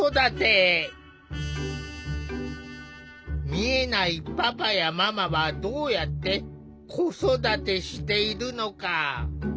見えないパパやママはどうやって子育てしているのか。